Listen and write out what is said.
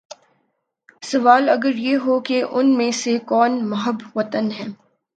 سوال اگر یہ ہو کہ ان میں سے کون محب وطن ہے